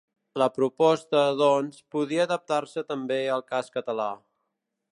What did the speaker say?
La proposta, doncs, podia adaptar-se també al cas català.